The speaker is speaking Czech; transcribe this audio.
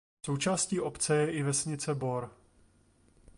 Součástí obce je i vesnice Bor.